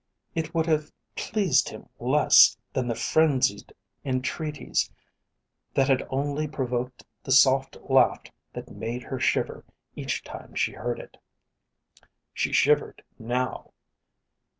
It would have pleased him less than the frenzied entreaties that had only provoked the soft laugh that made her shiver each time she heard it. She shivered now.